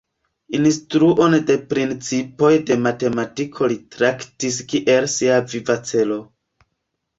Instruon de principoj de matematiko li traktis kiel sia viva celo.